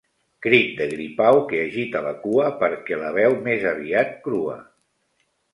Crit de gripau que agita la cua perquè la veu més aviat crua.